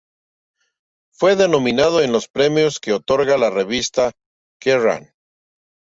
Fue nominado en los premios que otorga la revista Kerrang!